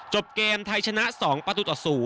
เกมไทยชนะ๒ประตูต่อ๐